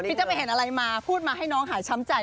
จะไปเห็นอะไรมาพูดมาให้น้องหายช้ำใจ